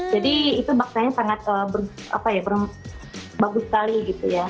jadi itu makannya sangat bagus sekali gitu ya